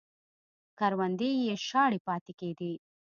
کروندې یې شاړې پاتې کېدې